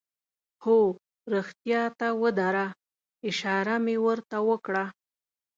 هو، رښتیا ته ودره، اشاره مې ور ته وکړه.